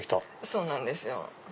そうなんですよ。